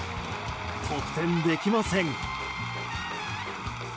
得点できません。